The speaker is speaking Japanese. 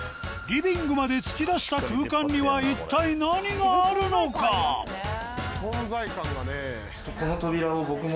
リビングまで突き出した空間には一体何があるのか存在感がねぇ。